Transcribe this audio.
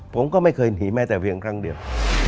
ผมก็ไม่เคยหนีแม้แต่เพียงครั้งเดียว